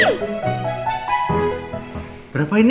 satu dua tiga empat lima